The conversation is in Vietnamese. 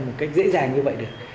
một cách dễ dàng như vậy được